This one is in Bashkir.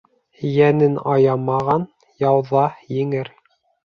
Йәнен аямаған яуҙа еңер